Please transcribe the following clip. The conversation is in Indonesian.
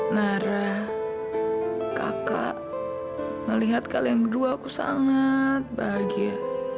nara kakak melihat kalian berdua aku sangat bahagia